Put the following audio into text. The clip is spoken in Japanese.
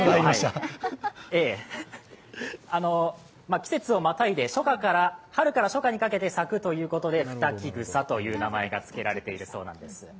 季節をまたいで春から初夏にかけて咲くということで二季草という名前があるそうです。